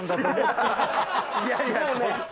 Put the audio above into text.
いやいや。